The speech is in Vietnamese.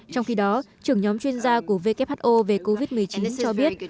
trong khi đó trưởng nhóm chuyên gia của who về covid một mươi chín cho biết